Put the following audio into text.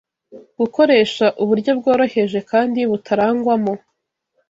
Gukoresha uburyo bworoheje kandi butarangwamo